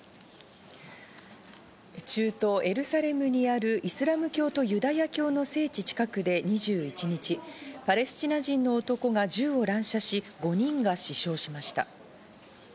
中東エルサレムにあるイスラム教とユダヤ教の聖地近くで２１日、パレスチナ人の男が銃を乱射し、５人が死傷しました。